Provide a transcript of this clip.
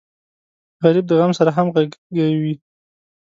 غریب د غم سره همغږی وي